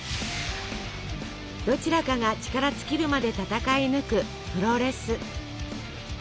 どちらかが力尽きるまで戦い抜くプロレス。